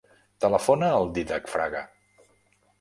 Telefona al Dídac Fraga.